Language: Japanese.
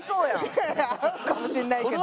いやいや合うかもしれないけど。